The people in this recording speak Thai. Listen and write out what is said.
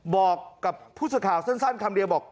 บอกกับผู้สื่อข่าวสั้นคำเดียวบอก